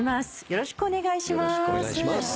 よろしくお願いします。